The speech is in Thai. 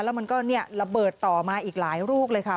แล้วมันก็ระเบิดต่อมาอีกหลายลูกเลยค่ะ